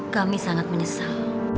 kami sangat menyesal